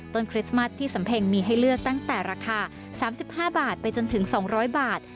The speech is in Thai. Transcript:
คริสต์มัสที่สำเพ็งมีให้เลือกตั้งแต่ราคา๓๕บาทไปจนถึง๒๐๐บาท